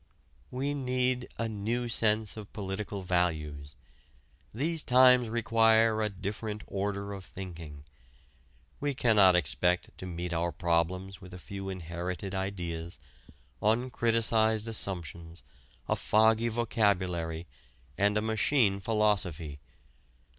We need a new sense of political values. These times require a different order of thinking. We cannot expect to meet our problems with a few inherited ideas, uncriticised assumptions, a foggy vocabulary, and a machine philosophy.